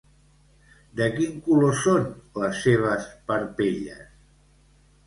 De quin color són les seves parpelles?